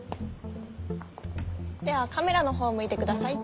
ではカメラの方を向いてください。